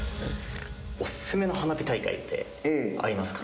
おすすめの花火大会ってありますか？